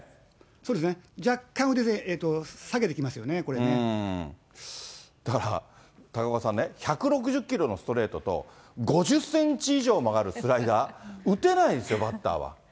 そうですね、若干、だから、高岡さんね、１６０キロのストレートと、５０センチ以上曲がるスライダー。打てないですよ、バッターは。